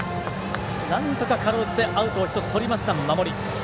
なんとか、かろうじてアウトを１つとりました守り。